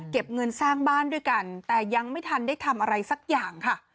เงินสร้างบ้านด้วยกันแต่ยังไม่ทันได้ทำอะไรสักอย่างค่ะ